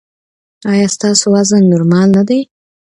ایا ستاسو وزن نورمال نه دی؟